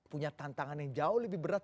punya tantangan yang jauh lebih berat